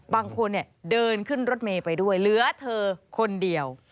บางคนเดินขึ้นรถเมย์ไปด้วยเหลือเธอคนเดียว